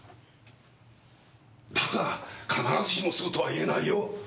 だが必ずしもそうとは言えないよ。